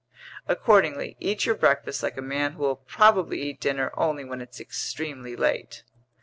Accordingly, eat your breakfast like a man who'll probably eat dinner only when it's extremely late."